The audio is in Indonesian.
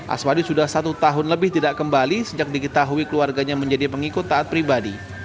aswadi sudah satu tahun lebih tidak kembali sejak diketahui keluarganya menjadi pengikut taat pribadi